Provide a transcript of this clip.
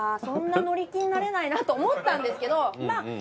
そんな乗り気になれないなと思ったんですけどまあ